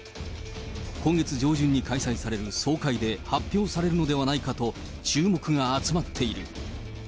今月上旬に開催される総会で発表されるのではないかと注目が集まっている。